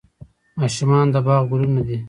ماشومان د باغ ګلونه دي